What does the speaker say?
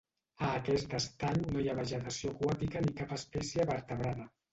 A aquest estany no hi ha vegetació aquàtica ni cap espècie vertebrada.